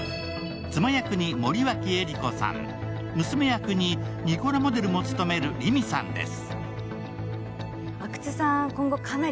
妻役に森脇英理子さん、娘役に「ｎｉｃｏｌａ」モデルも務める凛美さんです。